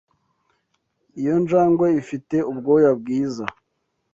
Iyo njangwe ifite ubwoya bwiza.